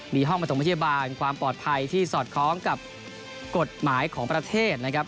มีห้องประถมพยาบาลความปลอดภัยที่สอดคล้องกับกฎหมายของประเทศนะครับ